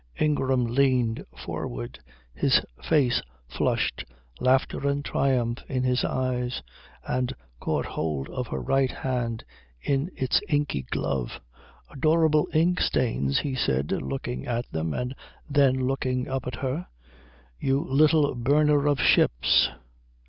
Ingram leaned forward, his face flushed, laughter and triumph in his eyes, and caught hold of her right hand in its inky glove. "Adorable inkstains," he said, looking at them and then looking up at her. "You little burner of ships."